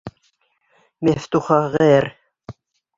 Мәфтуха ғәр.